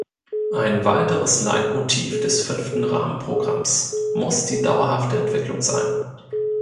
Ein weiteres Leitmotiv des Fünften Rahmenprogramms muss die dauerhafte Entwicklung sein.